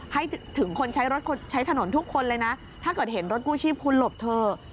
ให้ถึงคนใช้รถใช้ถนนทุกคนเลยนะถ้าเกิดเห็นรถกู้ชีพคุณหลบเถอะ